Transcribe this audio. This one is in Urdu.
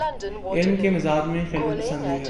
علم کے مزاج میں خلوت پسندی ہے۔